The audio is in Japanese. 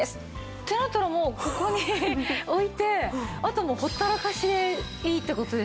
ってなったらもうここに置いてあとはほったらかしでいいって事ですよね。